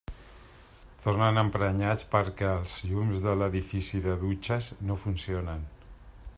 Tornen emprenyats perquè els llums de l'edifici de dutxes no funcionen.